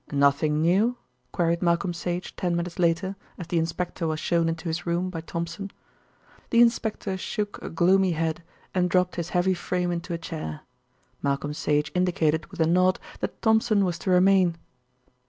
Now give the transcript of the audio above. "Nothing new?" queried Malcolm Sage ten minutes later, as the inspector was shown into his room by Thompson. The inspector shook a gloomy head and dropped his heavy frame into a chair. Malcolm Sage indicated with a nod that Thompson was to remain.